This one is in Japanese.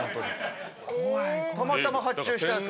たまたま発注したやつです。